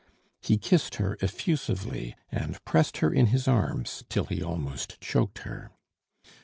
He kissed her effusively, and pressed her in his arms till he almost choked her.